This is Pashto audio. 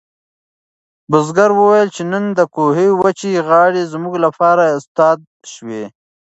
بزګر وویل چې نن د کوهي وچې غاړې زموږ لپاره استاد شوې.